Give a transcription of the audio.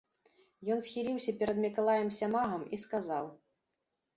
Ён схiлiўся перад Мiкалаем Сямагам i сказаў: